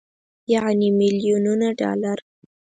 يعنې ميليونونه ډالر.